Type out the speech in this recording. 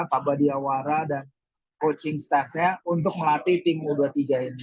kabadiawara dan coaching staffnya untuk melatih tim u dua puluh tiga ini